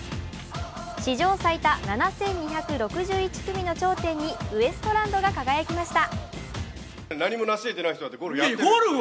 史上最多７２６１組の頂点にウエストランドが輝きました。